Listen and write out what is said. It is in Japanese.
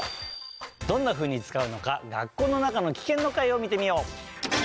どんなふうにつかうのか「学校の中のキケン」の回を見てみよう。